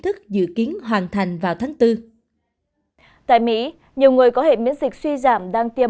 thức dự kiến hoàn thành vào tháng bốn tại mỹ nhiều người có hệ miễn dịch suy giảm đang tiêm